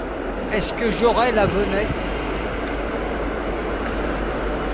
Est-ce que j’aurais la venette ?